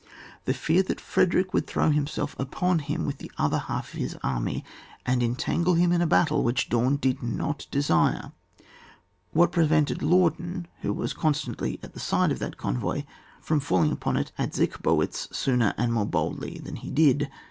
The fear that Frederick would throw himself upon him with the other half of his army, and entangle him in a battle which Daim did not desire ; what prevented Laudon, who was constantly at the side of that convoy, from falling upon it at Zisch bowitz sooner and more boldly than he did